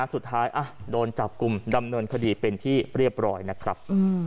สุดท้ายโดนจับกลุ่มดำเนินคดีเป็นที่เรียบร้อยนะครับ